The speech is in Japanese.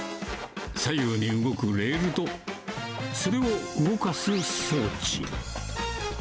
左右に動くレールと、それを動かす装置。